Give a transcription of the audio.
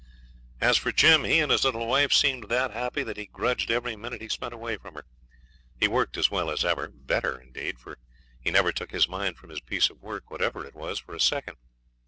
As for Jim, he and his little wife seemed that happy that he grudged every minute he spent away from her. He worked as well as ever better, indeed, for he never took his mind from his piece of work, whatever it was, for a second.